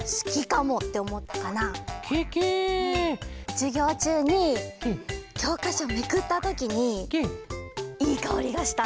じゅぎょうちゅうにきょうかしょめくったときにいいかおりがしたの。